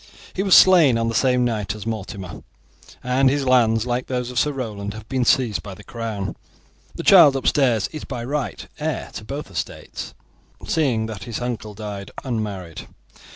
He was slain on the same night as Mortimer, and his lands, like those of Sir Roland, have been seized by the crown. The child upstairs is by right heir to both estates, seeing that his uncle died unmarried.